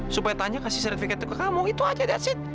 supaya tanya kasih sertifikat itu ke kamu itu aja that's it